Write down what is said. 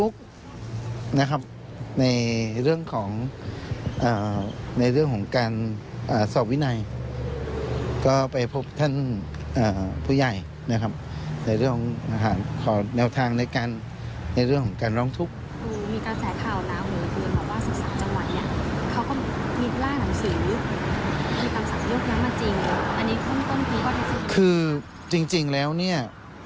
คือจริงแล้วเนี่ย